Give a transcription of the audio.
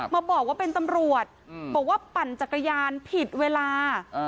มาบอกว่าเป็นตำรวจบอกว่าปั่นจักรยานผิดเวลา